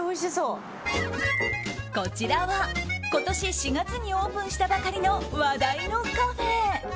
こちらは今年４月にオープンしたばかりの話題のカフェ。